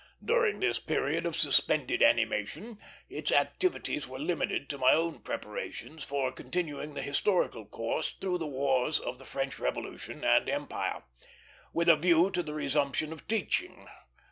During this period of suspended animation its activities were limited to my own preparations for continuing the historical course through the wars of the French Revolution and Empire, with a view to the resumption of teaching.